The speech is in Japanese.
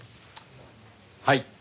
はい。